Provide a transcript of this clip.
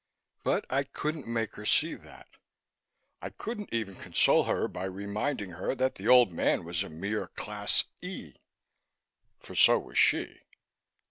But I couldn't make her see that. I couldn't even console her by reminding her that the old man was a mere Class E. For so was she.